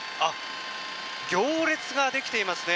行列ができていますね。